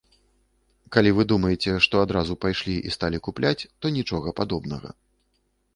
Калі вы думаеце, што адразу пайшлі і сталі купляць, то нічога падобнага.